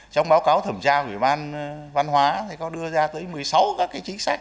trong báo cáo thẩm tra của ủy ban văn hóa thì có đưa ra tới một mươi sáu các cái chính sách